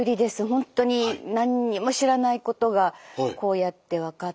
ほんとに何にも知らないことがこうやって分かっていって。